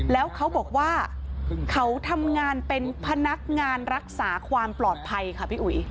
แล้วเขาบอกว่าเขาทำงานเป็นพนักงานรักษาความปลอดภัยค่ะพี่อุ๋ย